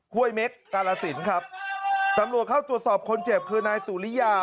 ้วยเม็กกาลสินครับตำรวจเข้าตรวจสอบคนเจ็บคือนายสุริยา